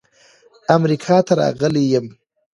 امریکا ته راغلی یم.